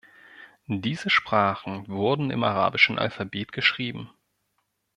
Diese Sprachen wurden im arabischen Alphabet geschrieben.